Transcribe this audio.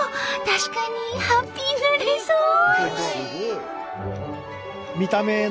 確かにハッピーになれそう！